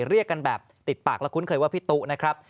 เรียกกันแบบติดปากและคุ้นเคยว่าพี่ตุ๊นะครับ